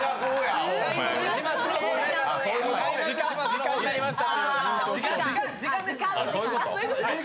時間になりました！